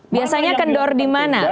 biasanya kendor di mana